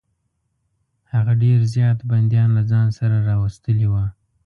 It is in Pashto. هغه ډېر زیات بندیان له ځان سره راوستلي وه.